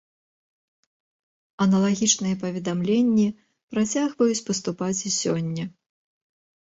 Аналагічныя паведамленні працягваюць паступаць й сёння.